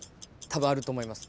たぶんあると思います。